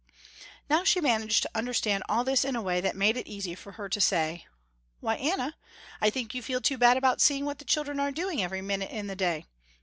Now she managed to understand all this in a way that made it easy for her to say, "Why, Anna, I think you feel too bad about seeing what the children are doing every minute in the day.